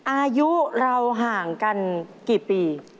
อายุเราห่างกันกี่ปี